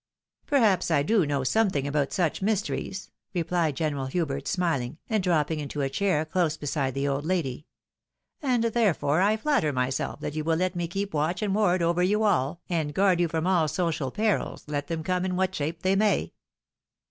" Perhaps I do know something about such mysteries," replied General Hubert, smihng, and dropping into a chair close beside the old lady ;" and therefore I flatter myself that you wOl let me keep watch and ward over you all, and guard you from all social perils, let them come in what shape they may."